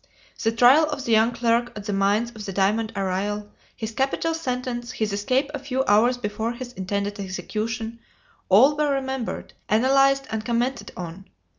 The trial of the young clerk at the mines of the diamond arrayal, his capital sentence, his escape a few hours before his intended execution all were remembered, analyzed, and commented on.